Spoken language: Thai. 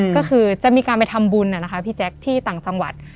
ก็คือจะมีการไปทำบุญนะคะพี่แจ๊คที่ต่างจังหวัด